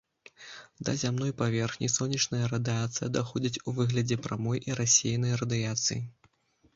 Да зямной паверхні сонечная радыяцыя даходзіць у выглядзе прамой і рассеянай радыяцыі.